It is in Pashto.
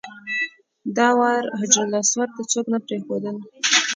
دا وار حجرالاسود ته څوک نه پرېښودل.